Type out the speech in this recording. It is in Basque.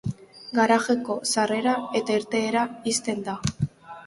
Garajeko sarrera eta irteera ixten da.